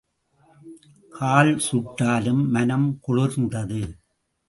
கால் சுட்டாலும், மனம் குளிர்ந்தது.